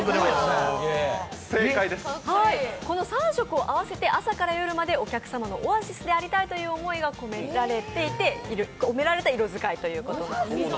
３色を合わせて朝から夜までお客様のオアシスでありたいという思いが込められた色使いということなんですね。